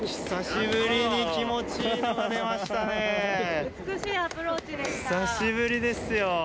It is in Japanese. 久しぶりですよ。